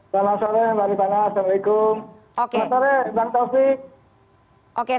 selamat sore mbak nita assalamualaikum